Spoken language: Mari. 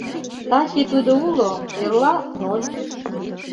Таче тудо уло, эрла — ноль.